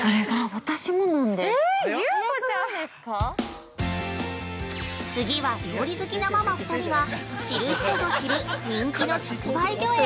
◆今度は、料理好きなママ２人が知る人ぞ知る人気の直売所へ。